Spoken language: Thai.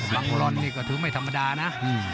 บังลอนนี่ก็ถือไม่ธรรมดานะ